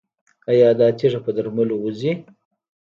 ایا دا تیږه په درملو وځي؟